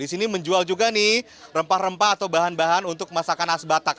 di sini menjual juga nih rempah rempah atau bahan bahan untuk masakan asbatak